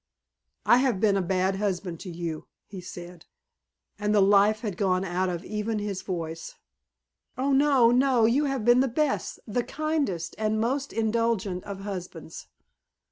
"I have been a bad husband to you," he said. And the life had gone out of even his voice. "Oh! No! No! you have been the best, the kindest and most indulgent of husbands."